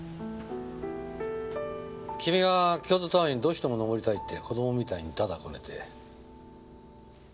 君が京都タワーにどうしても上りたいって子供みたいに駄々こねて。